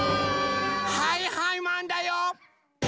はいはいマンだよ！